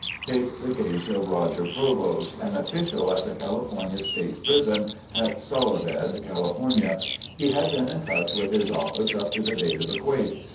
(Christopherson)] Take the case of Roger Provost, an official at the California State Prison at Soledad, California. He had been in touch with his office up to the date of the quake.